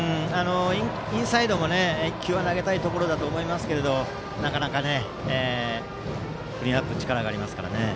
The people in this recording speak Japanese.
インサイドも１球は投げたいところですがなかなかクリーンナップに力がありますからね。